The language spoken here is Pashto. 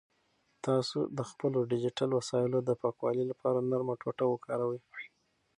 تاسو د خپلو ډیجیټل وسایلو د پاکوالي لپاره نرمه ټوټه وکاروئ.